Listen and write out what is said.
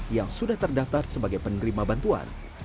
yang sudah terdaftar sebagai penerima bantuan